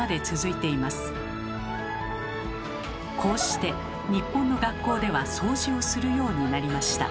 こうして日本の学校では掃除をするようになりました。